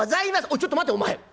「おいちょっと待てお前。